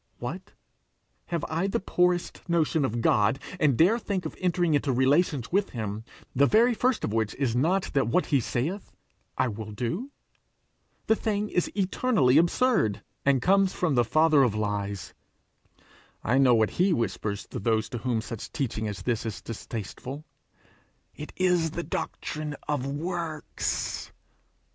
What! have I the poorest notion of a God, and dare think of entering into relations with him, the very first of which is not that what he saith, I will do? The thing is eternally absurd, and comes of the father of lies. I know what he whispers to those to whom such teaching as this is distasteful: 'It is the doctrine of works!'